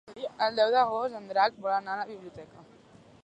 El deu d'agost en Drac vol anar a la biblioteca.